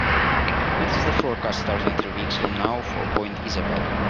what is the forecast starting three weeks from now for Point Isabel